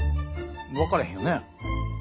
わからへんよね？